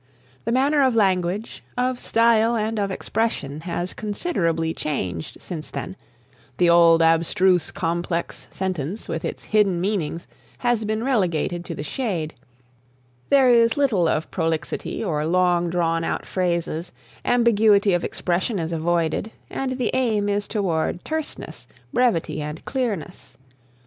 The manner of language, of style and of expression has considerably changed since then, the old abstruse complex sentence with its hidden meanings has been relegated to the shade, there is little of prolixity or long drawn out phrases, ambiguity of expression is avoided and the aim is toward terseness, brevity and clearness.